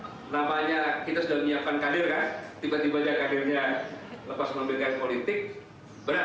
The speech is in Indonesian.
kenapa hanya kita sudah menyiapkan kadir kan tiba tiba kadirnya lepas memiliki politik berat